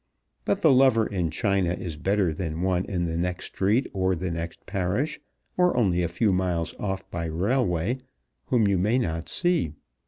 But the lover in China is better than one in the next street or the next parish, or only a few miles off by railway, whom you may not see.